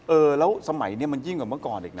เออแล้วสมัยนี้มันยิ่งกว่าเมื่อก่อนอีกนะ